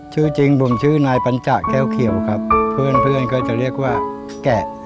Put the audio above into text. ชื่อจริงผมชื่อนายปัญจแก้วเขียวครับเพื่อนเพื่อนก็จะเรียกว่าแกะ